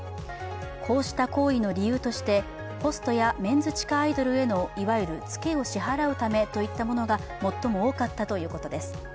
こうした行為の理由として、ホストやメンズ地下アイドルへのいわゆるツケを支払うためといったものが最も多かったということです。